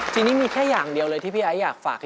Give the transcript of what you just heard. ทีนี้มีแค่อย่างเดียวเลยที่พี่ไอ้อยากฝาก